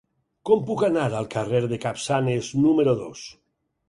Com puc anar al carrer de Capçanes número dos?